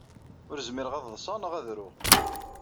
Ur zmireɣ ad ḍseɣ neɣ ad ruɣ.